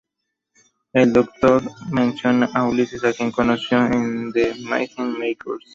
El Doctor menciona a Ulises, a quien conoció en "The Myth Makers".